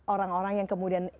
orang orang yang kemudian